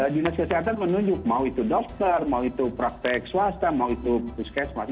dinas kesehatan menunjuk mau itu dokter mau itu praktek swasta mau itu puskesmas